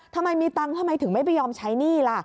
ทำไมมีตังค์ทำไมถึงไม่ไปยอมใช้หนี้ล่ะ